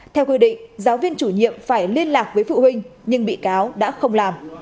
theo quy định giáo viên chủ nhiệm phải liên lạc với phụ huynh nhưng bị cáo đã không làm